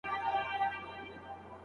زمونږ تجارت له اروپا سره بندېږي.